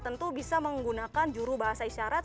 tentu bisa menggunakan juru bahasa isyarat